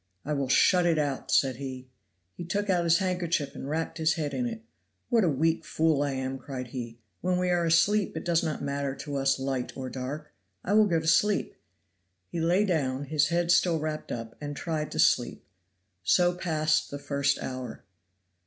"I will shut it out," said he. He took out his handkerchief and wrapped his head in it. "What a weak fool I am," cried he, "when we are asleep it does not matter to us light or dark; I will go to sleep." He lay down, his head still wrapped up, and tried to sleep. So passed the first hour.